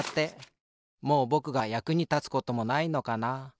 もうぼくがやくにたつこともないのかな。